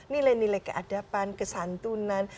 nilai nilai keadaban kesantunan